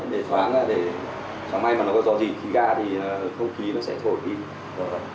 để thoáng ra để sáng mai mà nó có do gì thì ga thì không ký nó sẽ thổi đi